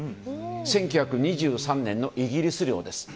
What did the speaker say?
１９２３年のイギリス領です。